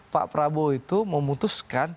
pak prabowo itu memutuskan